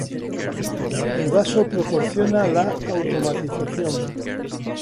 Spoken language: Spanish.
El vaso proporciona la automatización.